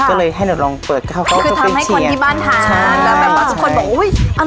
ก็เลยให้หนูลองเปิดเขาเขาจะไปเชียร์คือทำให้คนที่บ้านทานใช่แล้วแบบว่าสุดคนบอก